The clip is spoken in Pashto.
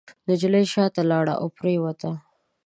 نجلۍ شاته لاړه او پرېوته.